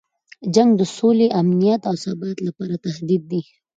جنګ د سولې، امنیت او ثبات لپاره تهدید دی.